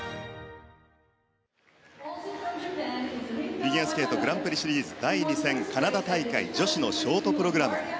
フィギュアスケートグランプリシリーズ第２戦カナダ大会女子のショートプログラム。